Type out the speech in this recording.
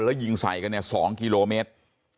แล้วยิงใส่กันเนี่ย๒กิโลเมตร